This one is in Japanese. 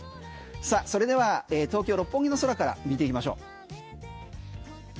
さあ、それでは東京・六本木の空から見ていきましょう。